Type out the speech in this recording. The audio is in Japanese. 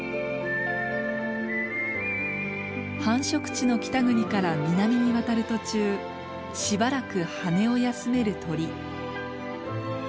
繁殖地の北国から南に渡る途中しばらく羽を休める鳥。